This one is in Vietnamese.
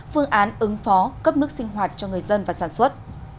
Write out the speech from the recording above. phương án ứng phó cấp nước sinh hoạt cho người dân và sản xuất